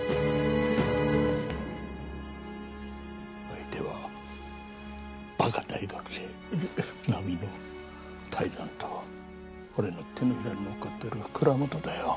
相手はバカ大学生並みの泰山と俺の手のひらに乗っかってる蔵本だよ。